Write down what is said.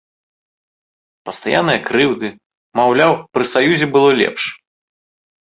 Пастаянныя крыўды, маўляў, пры саюзе было лепш.